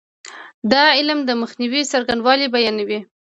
دا علم د مخنیوي څرنګوالی بیانوي.